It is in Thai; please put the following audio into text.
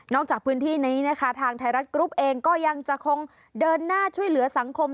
จากพื้นที่นี้นะคะทางไทยรัฐกรุ๊ปเองก็ยังจะคงเดินหน้าช่วยเหลือสังคม